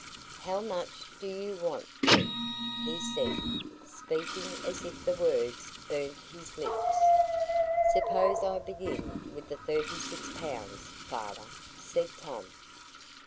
"How much do you want, then?" he said, speaking as if the words burnt his lips. "Suppose I begin with the thirty six pounds, father?" said Tom.